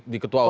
di ketua umum